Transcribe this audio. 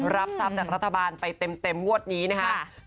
รับทรัพย์จากรัฐบาลไปเต็มวัวดนี้นะคะ๒๗๐๐๐๐บาทค่ะ